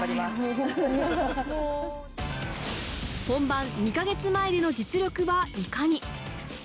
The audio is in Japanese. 本番２か月前の実力はいかに。